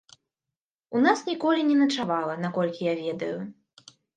У нас ніколі не начавала, наколькі я ведаю.